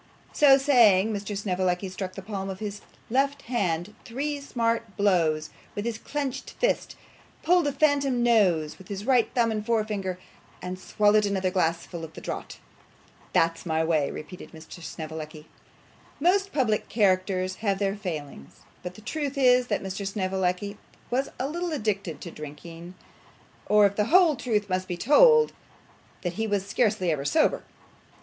So saying, Mr. Snevellicci struck the palm of his left hand three smart blows with his clenched fist; pulled a phantom nose with his right thumb and forefinger, and swallowed another glassful at a draught. 'That's my way,' repeated Mr. Snevellicci. Most public characters have their failings; and the truth is that Mr Snevellicci was a little addicted to drinking; or, if the whole truth must be told, that he was scarcely ever sober.